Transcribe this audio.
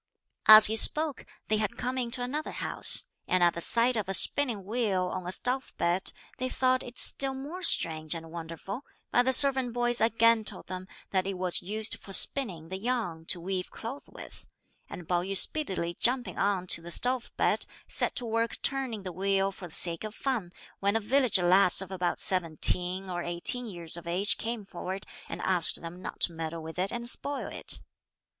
As he spoke, they had come into another house; and at the sight of a spinning wheel on a stove bed, they thought it still more strange and wonderful, but the servant boys again told them that it was used for spinning the yarn to weave cloth with, and Pao yü speedily jumping on to the stove bed, set to work turning the wheel for the sake of fun, when a village lass of about seventeen or eighteen years of age came forward, and asked them not to meddle with it and spoil it.